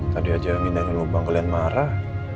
tadi aja minta lubang kalian marah